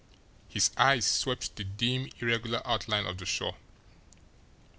His eyes swept the dim, irregular outline of the shore.